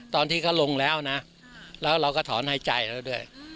ตอนที่เขาลงแล้วนะแล้วเราก็ถอนหายใจแล้วด้วย